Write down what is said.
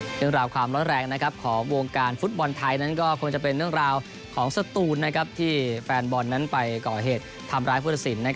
เรื่องราวความร้อนแรงของวงการฟุตบอลไทยนั้นก็คงจะเป็นเรื่องราวของสตูนที่แฟนบอลนั้นไปก่อเหตุทำร้ายผู้ตัดสิน